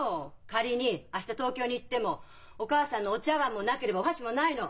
仮に明日東京に行ってもお母さんのお茶わんもなければお箸もないの！